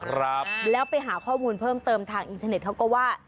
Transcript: ครับแล้วไปหาข้อมูลเพิ่มเติมทางอินเทอร์เน็ตเขาก็ว่า